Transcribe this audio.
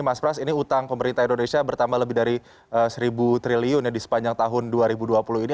mas pras ini utang pemerintah indonesia bertambah lebih dari seribu triliun di sepanjang tahun dua ribu dua puluh ini